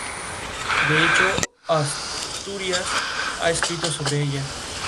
De hecho, Asturias ha escrito sobre ella.